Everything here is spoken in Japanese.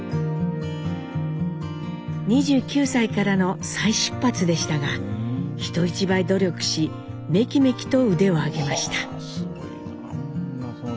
２９歳からの再出発でしたが人一倍努力しメキメキと腕を上げました。